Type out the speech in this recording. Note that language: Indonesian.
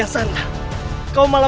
dan demi menjaga kehormatan